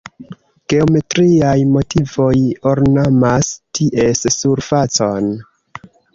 Geometriaj motivoj ornamas ties surfacon.